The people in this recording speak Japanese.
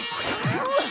うわっ！